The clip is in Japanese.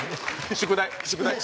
宿題。